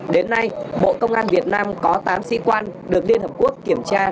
đến nay bộ công an việt nam có tám sĩ quan được liên hợp quốc kiểm tra